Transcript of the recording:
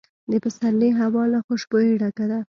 د پسرلي هوا له خوشبویۍ ډکه ده.